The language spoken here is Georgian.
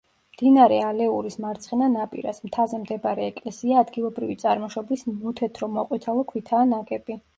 მდინარე ალეურის მარცხენა ნაპირას, მთაზე მდებარე ეკლესია ადგილობრივი წარმოშობის მოთეთრო-მოყვითალო ქვითაა ნაგები.